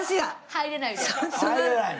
入れないのよ。